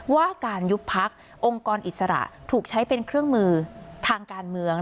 ว่าการยุบพักองค์กรอิสระถูกใช้เป็นเครื่องมือทางการเมือง